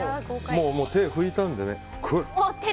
もう手を拭いたのでね。